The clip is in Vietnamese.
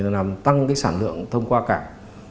làm tăng sản lượng thông qua cảng